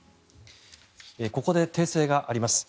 ここで訂正があります。